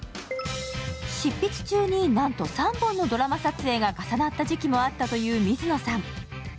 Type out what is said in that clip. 執筆中になんと３本のドラマ撮影が重なった時期もあったという水野さん。